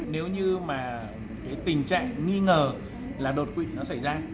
nếu như mà cái tình trạng nghi ngờ là đột quỵ nó xảy ra